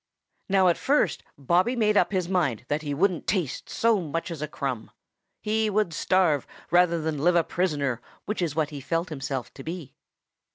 Now at first Bobby made up his mind that he wouldn't taste so much as a crumb. He would starve rather than live a prisoner, which was what he felt himself to be.